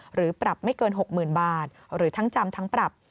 หรือปรับไม่เกิน๖๐๐๐บาทหรือทั้งจำทั้งปรับ